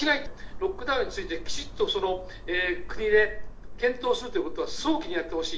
ロックダウンについて、きちっと国で検討するということは早期にやってほしい。